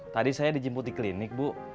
tadi saya dijemput di klinik bu